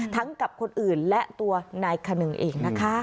กับคนอื่นและตัวนายขนึงเองนะคะ